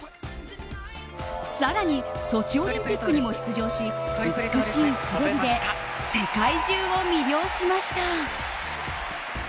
更にソチオリンピックにも出場し美しい滑りで世界中を魅了しました。